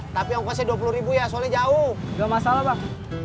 tapi ongkosnya dua puluh ya soalnya jauh enggak masalah